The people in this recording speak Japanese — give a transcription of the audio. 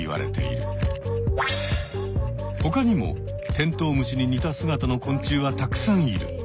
ほかにもテントウムシに似た姿の昆虫はたくさんいる。